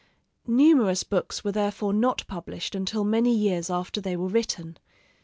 Numerous books were therefore not published until many years after they were written.